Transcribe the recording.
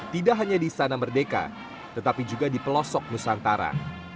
tidak hanya di istana merdeka tetapi juga di pelosok nusantara